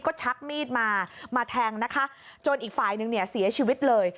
ก็ชักมีดมามาแทงจนอีกฝ่ายหนึ่งเสียชีวิตเลย